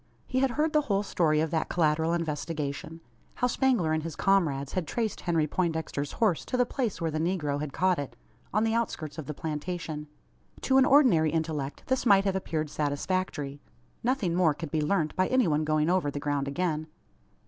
He had heard the whole story of that collateral investigation how Spangler and his comrades had traced Henry Poindexter's horse to the place where the negro had caught it on the outskirts of the plantation. To an ordinary intellect this might have appeared satisfactory. Nothing more could be learnt by any one going over the ground again.